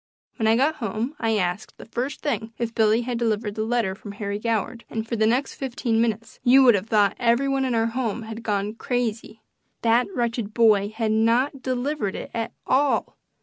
When I got home I asked, the first thing, if Billy had delivered the letter from Harry Goward, and for the next fifteen minutes you would have thought every one in our house had gone crazy. That wretched boy had not delivered it at all!